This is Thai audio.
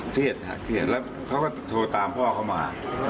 เครียดค่ะเครียดแล้วเขาก็โทรตามพ่อเขามา